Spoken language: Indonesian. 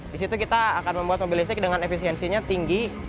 di situ kita akan membuat mobil listrik dengan efisiensinya tinggi